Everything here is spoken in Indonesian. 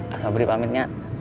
asal beri pamitnya